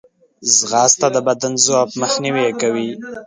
ځغاسته د بدني ضعف مخنیوی کوي